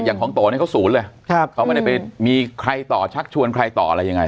อย่างของโตเนี้ยเขาสูงเลยครับเขาไม่ได้ไปมีใครต่อชักชวนใครต่ออะไรยังไง